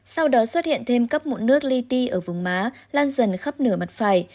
sau đó xuất hiện thêm cấp mụn nước ly ti ở vùng má lan dần khắp nửa mặt phải